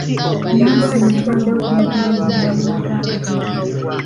Nansi bwe yamala okwogera ebyo n'amulaga akabina.